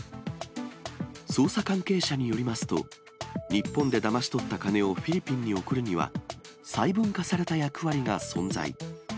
捜査関係者によりますと、日本でだまし取った金をフィリピンに送るには、細分化された役割が存在。